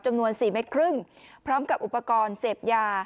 จำนวน๔เมตรครึ่งพร้อมกับอุปกรณ์เสพยา